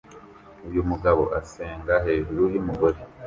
Uyu mugabo asenga hejuru yumugore